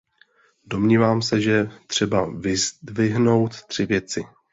Domnívám se, že je třeba vyzdvihnout tři věci.